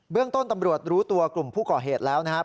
เรื่องต้นตำรวจรู้ตัวกลุ่มผู้ก่อเหตุแล้วนะครับ